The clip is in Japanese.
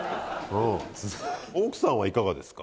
奥さんはいかがですか？